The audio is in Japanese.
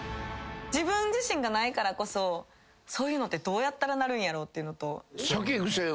自分自身がないからこそそういうのってどうやったらなるんやろうっていうのと。